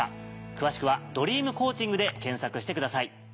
詳しくは「ドリームコーチング」で検索してください。